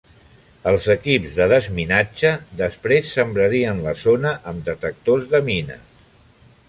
Els equips de desminatge després sembrarien la zona amb detectors de mines.